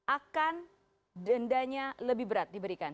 akan dendanya lebih berat diberikan